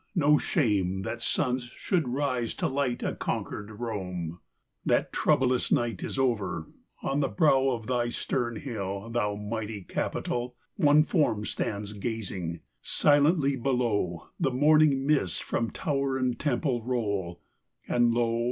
No shame that suns should rise to light a conquer'd Rome. XXVI. That troublous night is over : on the brow Of thy stern hill, thou mighty Capitol, One form stands gazing : silently below The morning mists from tower and temple roll, And lo